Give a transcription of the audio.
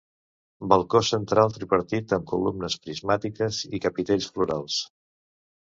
Balcó central tripartit amb columnes prismàtiques i capitells florals.